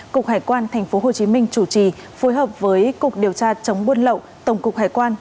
cục hải quan tp hcm chủ trì phối hợp với cục điều tra chống buôn lậu tổng cục hải quan